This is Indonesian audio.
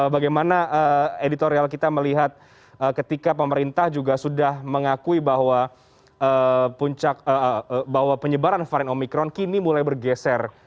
bagaimana editorial kita melihat ketika pemerintah juga sudah mengakui bahwa penyebaran varian omikron kini mulai bergeser